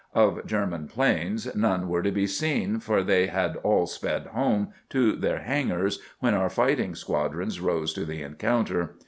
Of German 'planes none were to be seen, for they had all sped home to their hangars when our fighting squadrons rose to the encounter.